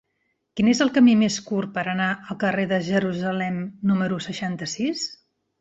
Quin és el camí més curt per anar al carrer de Jerusalem número seixanta-sis?